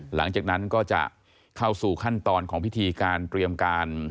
หลังจากนั้นก็จะเข้าสู่ขั้นตอนของพิธีการเตรียมการ